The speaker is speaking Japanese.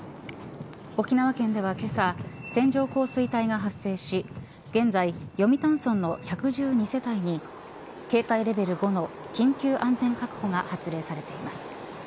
沖縄県ではけさ線状降水帯が発生し現在、読谷村の１１２世帯に警戒レベル５の緊急安全確保が発令されています。